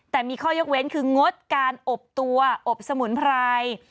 แต่มีข้อยกเว้นคืองดการอบตัวอบสมุนไพร